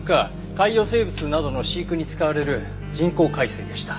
海洋生物などの飼育に使われる人工海水でした。